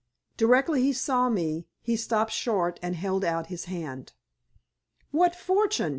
Directly he saw me he stopped short and held out his hand. "What fortune!"